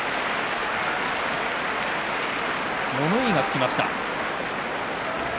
物言いがつきました。